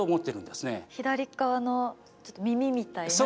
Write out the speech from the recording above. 左側のちょっと耳みたいな形の。